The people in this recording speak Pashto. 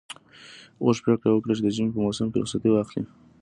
اوښ پرېکړه وکړه چې د ژمي په موسم کې رخصتي واخلي.